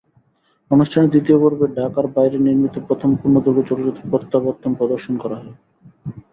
অনুষ্ঠানের দ্বিতীয় পর্বে ঢাকার বাইরে নির্মিত প্রথম পূর্ণদৈর্ঘ্য চলচ্চিত্র প্রত্যাবর্তন প্রদর্শন করা হয়।